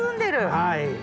はい。